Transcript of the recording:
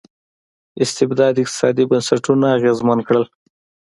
استبداد اقتصادي بنسټونه اغېزمن کړل.